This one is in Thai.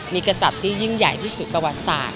มีกษัตริย์ที่ยิ่งใหญ่ที่สุดประวัติศาสตร์